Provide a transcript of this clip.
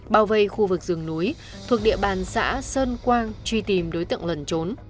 bao vây khu vực rừng núi thuộc địa bàn xã sơn quang truy tìm đối tượng lẩn trốn